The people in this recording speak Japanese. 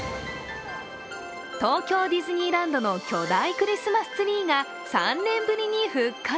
東京ディズニーランドの巨大クリスマスツリーが３年ぶりに復活。